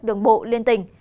đường bộ liên tỉnh